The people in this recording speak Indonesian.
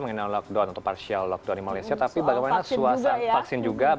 mengenai lockdown atau partial lockdown di malaysia